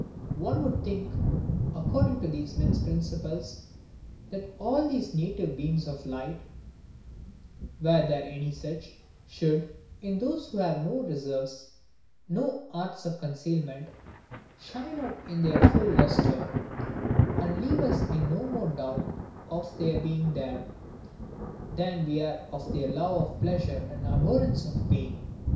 One would think, according to these men's principles, that all these native beams of light (were there any such) should, in those who have no reserves, no arts of concealment, shine out in their full lustre, and leave us in no more doubt of their being there, than we are of their love of pleasure and abhorrence of pain.